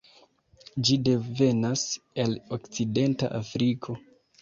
Ĝi devenas el Okcidenta Afriko.